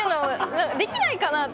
できないかな？って。